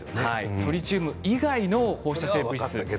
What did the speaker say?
トリチウム以外の放射性物質。